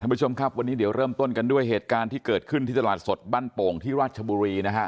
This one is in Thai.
ผู้ชมครับวันนี้เดี๋ยวเริ่มต้นกันด้วยเหตุการณ์ที่เกิดขึ้นที่ตลาดสดบ้านโป่งที่ราชบุรีนะฮะ